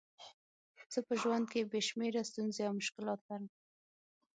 زه په ژوند کې بې شمېره ستونزې او مشکلات لرم.